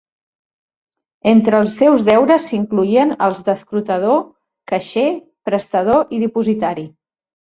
Entre els seus deures s'incloïen els d'escrutador, caixer, prestador i dipositari.